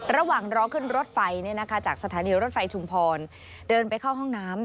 ระหว่างรอขึ้นรถไฟจากสถานีรถไฟชุมพรเดินไปเข้าห้องน้ำ